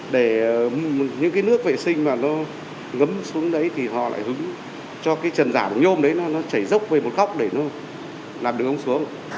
để những cái nước vệ sinh mà nó ngấm xuống đấy thì họ lại hứng cho cái chân giả của nhôm đấy nó chảy dốc về một góc để nó làm được ngóng xuống